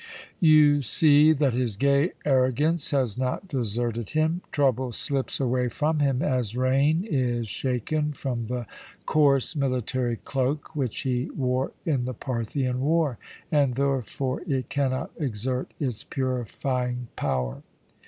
"You see that his gay arrogance has not deserted him. Trouble slips away from him as rain is shaken from the coarse military cloak which he wore in the Parthian war, and therefore it cannot exert its purifying power.